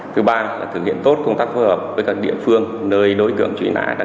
thứ ba là thực hiện tốt công tác phối hợp với các địa phương nơi đối tượng truy nã